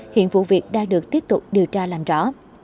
hiện vụ việc đang được tiếp tục điều tra làm rõ